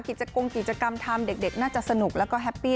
กงกิจกรรมทำเด็กน่าจะสนุกแล้วก็แฮปปี้